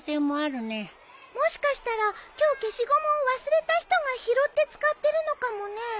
もしかしたら今日消しゴムを忘れた人が拾って使ってるのかもね。